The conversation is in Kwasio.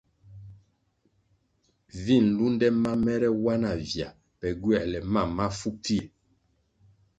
Vi nlunde ma mèrè wa na vya pe gywoēle mam mafu pfie.